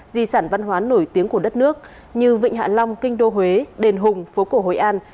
di sản văn hóa nổi tiếng của đất nước như vịnh hạ long kinh đô huế đền hùng phố cổ hội an